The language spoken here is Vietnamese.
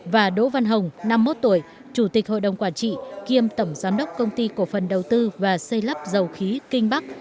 và đỗ văn hồng năm mươi một tuổi chủ tịch hội đồng quản trị kiêm tổng giám đốc công ty cổ phần đầu tư và xây lắp dầu khí kinh bắc